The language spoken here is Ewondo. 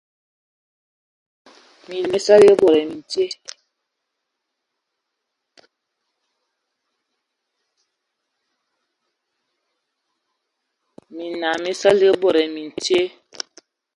Minnǝm mí saligi bod ai mintye,